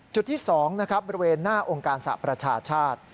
จุดที่๒บริเวณหน้าองค์การศพประชาชาติ